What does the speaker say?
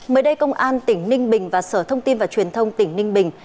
mới đây công an tỉnh ninh bình và sở thông tin và truyền thông tỉnh ninh bình